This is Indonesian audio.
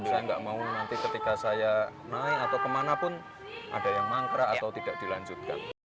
saya nggak mau nanti ketika saya naik atau kemanapun ada yang mangkrak atau tidak dilanjutkan